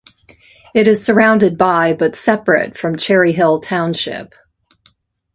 It is surrounded by but separate from Cherryhill Township.